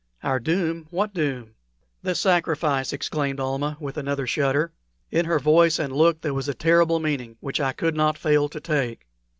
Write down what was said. "Our doom? What doom?" "The sacrifice!" exclaimed Almah, with another shudder. In her voice and look there was a terrible meaning, which I could not fail to take.